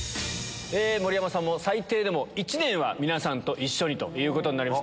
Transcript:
盛山さんも最低でも１年は皆さんと一緒にということです。